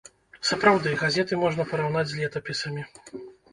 Сапраўды, газеты можна параўнаць з летапісамі.